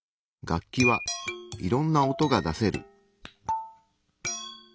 楽器はいろんな音が出せる。